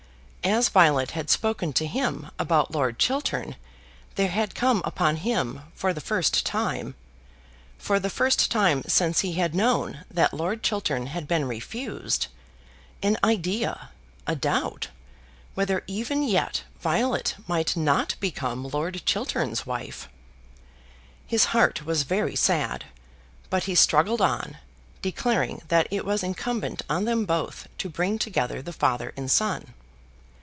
As Violet had spoken to him about Lord Chiltern there had come upon him, for the first time, for the first time since he had known that Lord Chiltern had been refused, an idea, a doubt, whether even yet Violet might not become Lord Chiltern's wife. His heart was very sad, but he struggled on, declaring that it was incumbent on them both to bring together the father and son.